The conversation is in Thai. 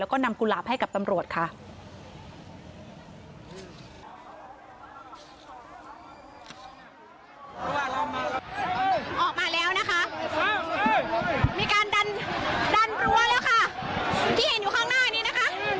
ออกมาแล้วนะคะมีการดันดันรั้วแล้วค่ะที่เห็นอยู่ข้างหน้านี้นะคะ